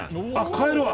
買えるわ。